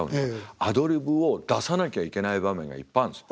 アドリブを出さなきゃいけない場面がいっぱいあるんですよ。